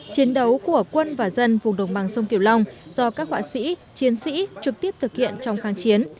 chiến đấu của quân và dân vùng đồng bằng sông kiều long do các họa sĩ chiến sĩ trực tiếp thực hiện trong kháng chiến